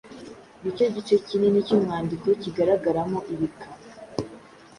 Ni cyo gice kinini cy’umwandiko kigaragaramo ibika.